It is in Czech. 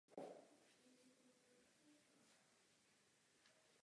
Pokud bychom k tomu přistoupili, otevřeli bychom Pandořinu skříňku.